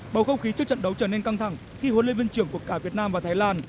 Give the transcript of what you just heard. bầu không khí trước trận đấu trở nên căng thẳng khi huấn luyện viên trưởng của cả việt nam và thái lan